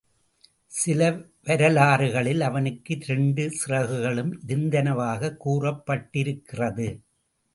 சில வரலாறுகளில் அவனுக்கு இரண்டு சிறகுகளும் இருந்தனவாகக் கூறப்பட்டிருக்கிறது.